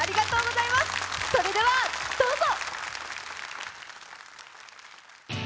それではどうぞ！